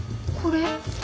これ？